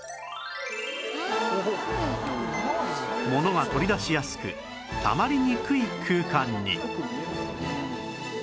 「うわきれい」ものが取り出しやすくたまりにくい空間に